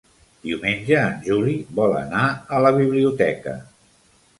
Diumenge en Juli vol anar a la biblioteca.